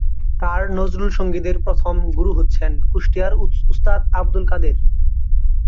তার নজরুল সঙ্গীতের প্রথম গুরু হচ্ছেন কুষ্টিয়ার ওস্তাদ আবদুল কাদের।